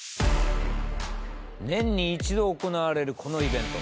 年に一度行われるこのイベント。